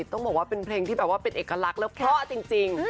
ต้องบอกว่าเป็นเพลงที่แบบว่าเป็นเอกลักษณ์แล้วเพราะจริง